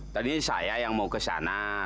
tadi saya yang mau ke sana